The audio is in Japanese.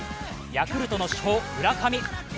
ヤクルトの主砲・村上。